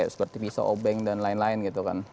seperti pisau obeng dan lain lain gitu kan